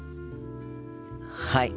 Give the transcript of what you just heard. はい。